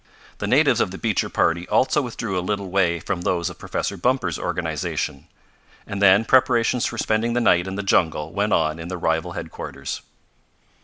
The natives of the Beecher party also withdrew a little way from those of Professor Bumper's organization, and then preparations for spending the night in the jungle went on in the rival headquarters.